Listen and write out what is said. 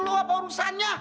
lu apa urusannya